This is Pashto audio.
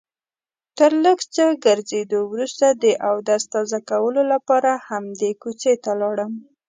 تر لږ څه ګرځېدو وروسته د اودس تازه کولو لپاره همدې کوڅې ته لاړم.